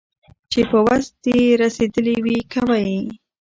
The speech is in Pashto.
چي په وس دي رسېدلي وي كوه يې